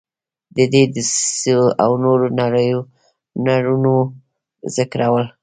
د دې دسیسو او نورو تړونونو ذکرول.